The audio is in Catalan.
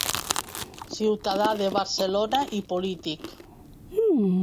Ciutadà de Barcelona i polític.